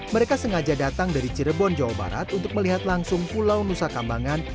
mereka sengaja datang dari cirebon jawa barat untuk melihat langsung pulau nusa kambangan